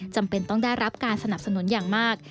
จำเป็นต้องได้รับการสนับสนุนอย่างมาก